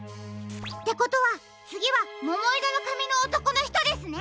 ってことはつぎはももいろのかみのおとこのひとですね！